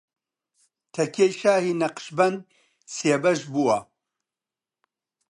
تەکیەی شاهی نەقشبەند سێ بەش بووە